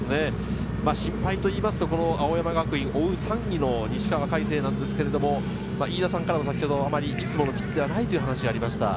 心配といいますと、この青山学院、３位の西川魁星なんですけれども、飯田さんからもいつものピッチではないというお話がありました。